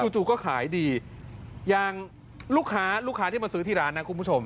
จู่ก็ขายดีอย่างลูกค้าลูกค้าที่มาซื้อที่ร้านนะคุณผู้ชม